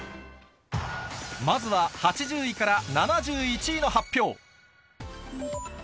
まずは８０位から７１位の発表。